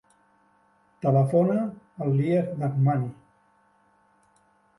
Telefona al Lian Dahmani.